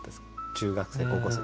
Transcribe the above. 中学生高校生。